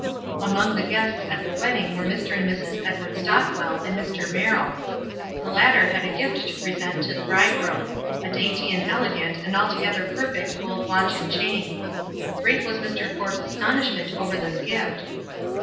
Among the guests at the wedding were Mr. and Mrs. Ed ward Stockwell and Mr. Merrill. The latter had a gift to present to the bridegroom — a dainty and elegant, and altogether perfect gold watch and chain. Great was Mr. Forbes' aston ishment over this gift.